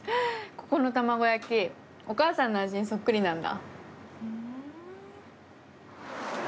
ここの卵焼きお母さんの味にそっくりなんだ。